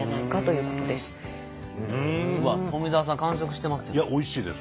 うわっ富澤さん完食してますよ。